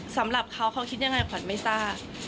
สำหรับเขาเขาคิดยังไงขวัญไม่ทราบ